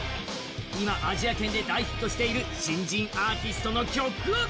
今アジア圏で大ヒットしている新人アーティストの曲を。